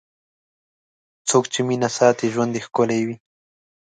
څوک چې مینه ساتي، ژوند یې ښکلی وي.